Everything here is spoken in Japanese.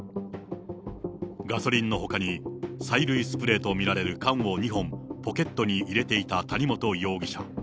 ガソリンのほかに、催涙スプレーと見られる缶を２本、ポケットに入れていた谷本容疑者。